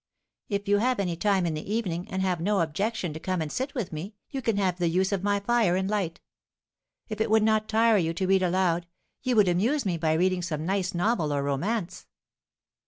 If you have any time in the evening, and have no objection to come and sit with me, you can have the use of my fire and light. If it would not tire you to read aloud, you would amuse me by reading some nice novel or romance.